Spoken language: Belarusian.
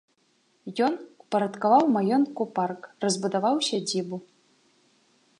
Ён упарадкаваў у маёнтку парк, разбудаваў сядзібу.